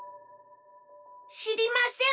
しりません。